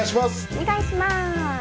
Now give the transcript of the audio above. お願いしまーす。